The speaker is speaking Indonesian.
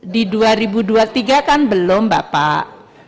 di dua ribu dua puluh tiga kan belum bapak